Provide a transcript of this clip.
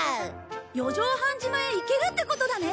四丈半島へ行けるってことだね。